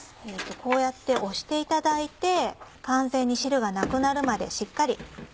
こうやって押していただいて完全に汁がなくなるまでしっかり。